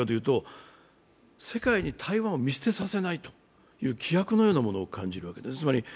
世界に台湾を見捨てさせないという気迫のようなものを感じるわけですね。